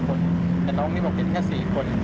แต่น้องนี่บอกเป็นแค่๔คน